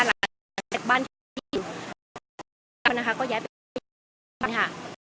หลังจากเจ็บบ้านที่อยู่นะคะก็ย้ายไปบ้านค่ะ